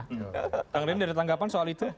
kang reddy ada tanggapan soal itu